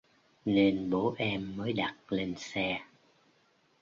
Nên bố em mới đặt lên xe